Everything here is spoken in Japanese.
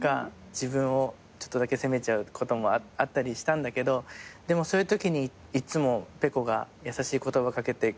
自分をちょっとだけ責めちゃうこともあったりしたんだけどでもそういうときにいつもｐｅｃｏが優しい言葉掛けてくれて。